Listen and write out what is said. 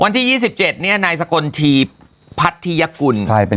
วันที่๒๗เนี่ยในสกนทีพัฒน์ธียกุล